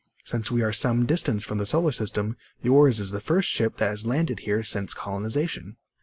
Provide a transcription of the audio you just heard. Since we are some distance from the solar system, yours is the first ship that has landed here since colonization."